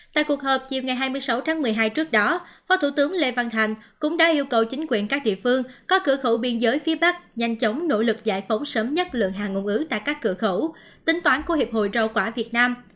tại cuộc họp chiều ngày hai mươi sáu tháng một mươi hai trước đó phó thủ tướng lê văn thành cũng đã yêu cầu chính quyền các địa phương có cửa khẩu biên giới phía bắc nhanh chóng nỗ lực giải phóng sớm nhất lượng hàng ngôn ngữ tại các cửa khẩu tính toán của hiệp hội rau quả việt nam